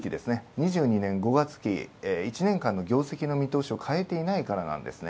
２２年５月期１年間の業績の見通しを変えていないからなんですね